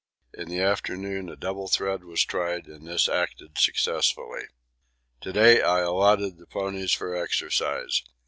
In the afternoon a double thread was tried, and this acted successfully. To day I allotted the ponies for exercise.